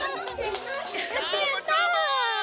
どーもどーも！